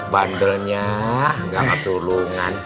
bandelnya gak matulungan